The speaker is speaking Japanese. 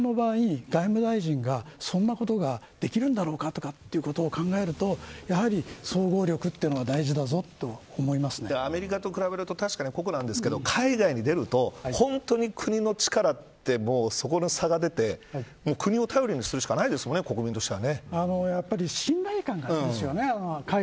じゃあ、日本の場合外務大臣がそんな事ができるんだろうかということを考えるとやはり総合力というのが大事だアメリカと比べると確かに酷なんですけど海外に出ると本当に国の力ってそこの差が出て国を頼りにするしかないですもんね、国民としては。